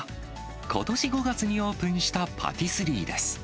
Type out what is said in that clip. ことし５月にオープンしたパティスリーです。